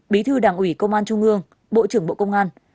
bí thư đảng ủy công an trung ương bộ trưởng bộ công an